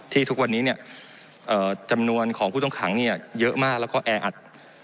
ที่ทุกวันนี้เนี่ยจำนวนของผู้ต้องขังเนี่ยเยอะมากแล้วก็แออัด